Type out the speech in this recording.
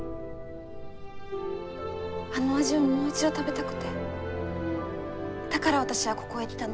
あの味をもう一度食べたくてだから私はここへ来たの。